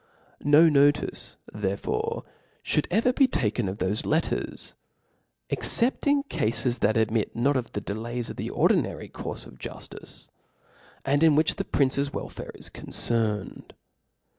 No notice therefore fhould ever be taken of t'hofe letters, ex cept in cafes that admit not of the delays of the or dinary courfe of juftice, and in which the prince's welfare is concerned.